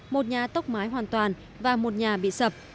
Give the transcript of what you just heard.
một nhà tốc mái hoàn toàn và một nhà bị sập